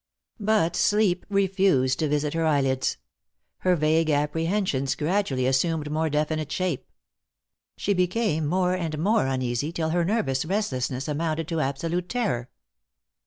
But sleep refused to visit her eyelids. Her vague apprehensions gradually assumed more definite shape. She became more and more uneasy, till her nervous restlessness amounted to absolute terror.